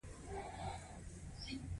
صنعتي پانګوال له دې لارې پیسې ژر ترلاسه کوي